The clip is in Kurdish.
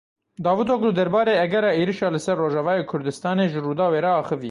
Davutoglu derbarê egera êrişa li ser Rojavayê Kurdistanê ji Rûdawê re axivî.